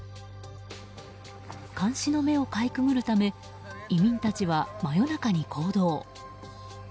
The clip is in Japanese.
監視の目をかいくぐるため移民たちは真夜中に行動。